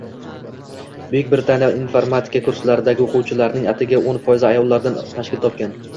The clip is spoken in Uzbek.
Buyuk Britaniya informatika kurslaridagi oʻquvchilarning atigi o'n foizi ayollardan tashkil topgan.